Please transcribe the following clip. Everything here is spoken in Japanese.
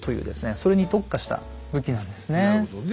それに特化した武器なんですね。